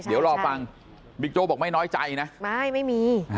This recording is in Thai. เดี๋ยวรอฟังบิ๊กโจ๊กบอกไม่น้อยใจนะไม่ไม่มี